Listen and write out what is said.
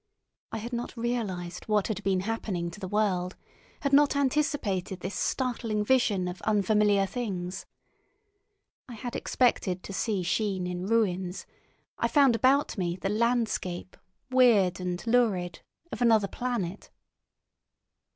I had not realised what had been happening to the world, had not anticipated this startling vision of unfamiliar things. I had expected to see Sheen in ruins—I found about me the landscape, weird and lurid, of another planet.